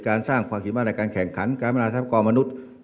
การสร้างความคิดมากในการแข่งขันการบรรทับกรมมนุษย์